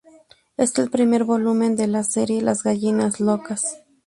Es el primer volumen de la serie "Las gallinas locas".